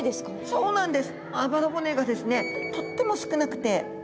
そうなんです。